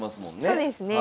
そうですね。